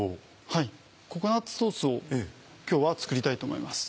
はいココナッツソースを今日は作りたいと思います。